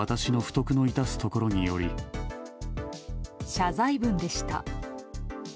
謝罪文でした。